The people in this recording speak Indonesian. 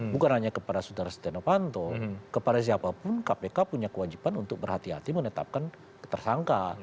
bukan hanya kepada saudara setia novanto kepada siapapun kpk punya kewajiban untuk berhati hati menetapkan tersangka